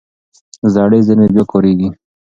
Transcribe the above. زړې زېرمې بیا کارېږي.